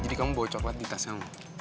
kamu bawa coklat di tas kamu